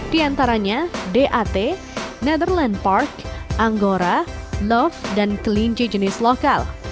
di antaranya dat netherland park anggora love dan kelinci jenis lokal